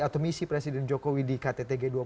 atau misi presiden jokowi di kttg